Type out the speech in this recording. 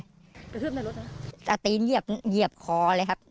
กระทืบในรถนะจะตีนเหยียบเหยียบคอเลยครับ